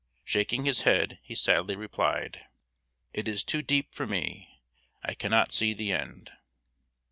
Shaking his head, he sadly replied: "It is too deep for me; I cannot see the end."